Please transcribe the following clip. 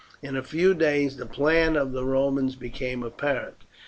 In a few days the plan of the Romans became apparent.